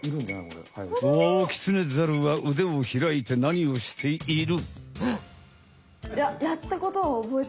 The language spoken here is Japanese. ワオキツネザルはうでをひらいて何をしている？